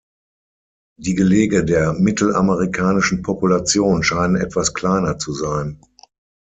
Die Gelege der mittelamerikanischen Populationen scheinen etwas kleiner zu sein.